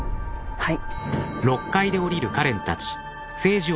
はい。